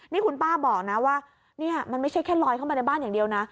นี่คุณป้าบอกนะว่านี่มันไม่ใช่แค่ลอยเข้ามาในบ้านอย่างเดียวนะ